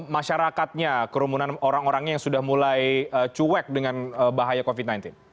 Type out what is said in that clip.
masyarakatnya kerumunan orang orangnya yang sudah mulai cuek dengan bahaya covid sembilan belas